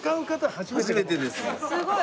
すごい。